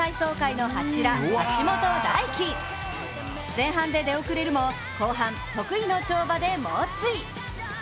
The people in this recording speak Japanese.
前半で出遅れるも、後半得意の跳馬で猛追。